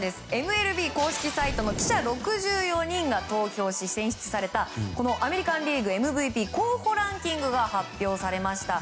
ＭＬＢ公式サイトの記者６４人が投票し選出された、アメリカン・リーグＭＶＰ候補ランキングが発表されました。